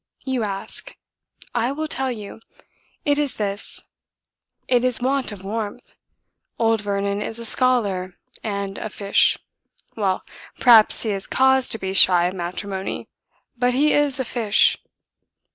You ask? I will tell you. It is this: it is want of warmth. Old Vernon is a scholar and a fish. Well, perhaps he has cause to be shy of matrimony; but he is a fish."